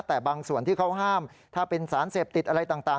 แต่บางส่วนที่เขาห้ามถ้าเป็นสารเสพติดอะไรต่าง